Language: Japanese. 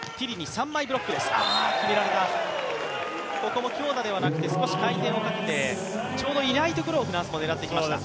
ここも強打ではなくて、少し回転をかけてちょうどいないところをフランスも狙ってきました。